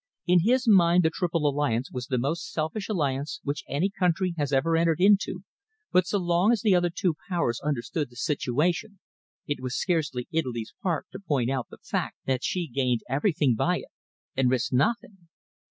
In his mind the Triple Alliance was the most selfish alliance which any country has ever entered into, but so long as the other two Powers understood the situation, it was scarcely Italy's part to point out the fact that she gained everything by it and risked nothing.